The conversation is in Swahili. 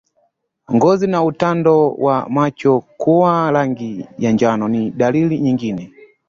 Ngozi na utando wa macho kuwa rangi ya njano ni dalili nyingine